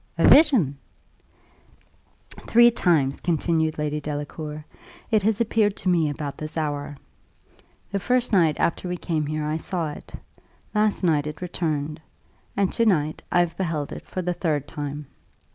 "A vision!" "Three times," continued Lady Delacour, "it has appeared to me about this hour. The first night after we came here I saw it; last night it returned; and to night I have beheld it for the third time.